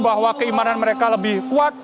bahwa keimanan mereka lebih kuat